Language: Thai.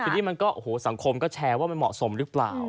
ทีนี้สังคมก็แชร์ว่ามันเหมาะสมหรือเปล่า